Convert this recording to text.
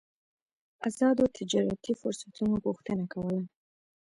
ازادو تجارتي فرصتونو غوښتنه کوله.